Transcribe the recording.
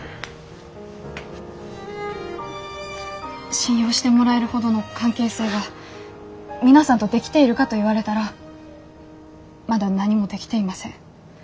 信用してもらえるほどの関係性が皆さんと出来ているかと言われたらまだ何も出来ていません。